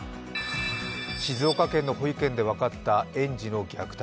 静岡県の保育園で分かった園児の虐待。